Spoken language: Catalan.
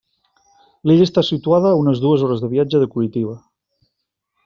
L'illa està situada a unes dues hores de viatge de Curitiba.